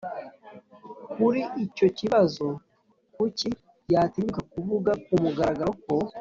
kuri icyo kibazo kuki yatinyuka kuvuga ku mugaragaro ko